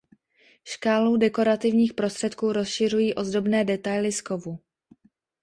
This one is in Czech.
Škálu dekorativních prostředků rozšiřují ozdobné detaily z kovu.